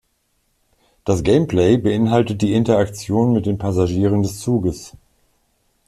Das Gameplay beinhaltet die Interaktion mit den Passagieren des Zuges.